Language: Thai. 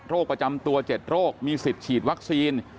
ประจำตัว๗โรคมีสิทธิ์ฉีดวัคซีน